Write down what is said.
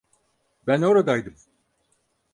Ben oradaydım.